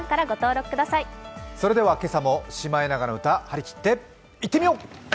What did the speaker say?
それでは今朝も「シマエナガの歌」はりきっていってみよう！